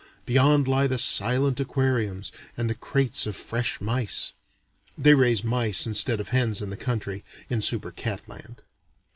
Beyond lie the silent aquariums and the crates of fresh mice. (They raise mice instead of hens in the country, in Super cat Land.)